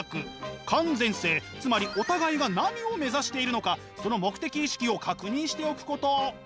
完全性つまりお互いが何を目指しているのかその目的意識を確認しておくこと。